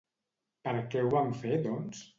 Per què ho van fer doncs?